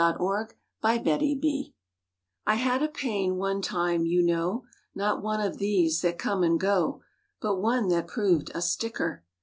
WHEN DOCTORS DISAGREE I had a pain one time, you know; Not one of these that come and go But one that proved a sticker.